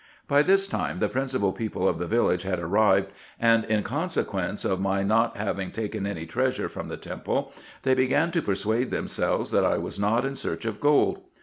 By this time the principal people of the village had arrived, and in consequence of my not having taken any treasure from the temple, they began to persuade themselves that I was not in search of gold.